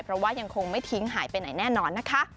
เพราะว่ายังคงไม่ทิ้งหายไปไหนแน่นอนนะคะ